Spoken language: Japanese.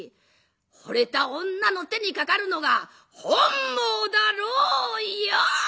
ほれた女の手にかかるのが本望だろうよ！」。